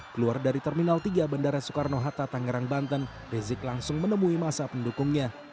keluar dari terminal tiga bandara soekarno hatta tangerang banten rizik langsung menemui masa pendukungnya